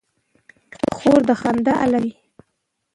خور د خندا علت وي.